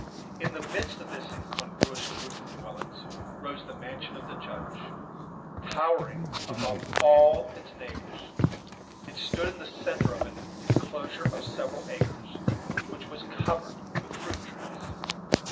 In the midst of this incongruous group of dwellings rose the mansion of the Judge, towering above all its neighbors. It stood in the centre of an inclosure of several acres, which was covered with fruit trees.